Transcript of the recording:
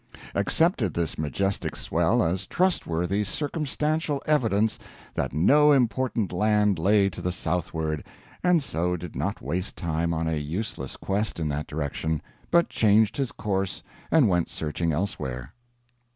accepted this majestic swell as trustworthy circumstantial evidence that no important land lay to the southward, and so did not waste time on a useless quest in that direction, but changed his course and went searching elsewhere.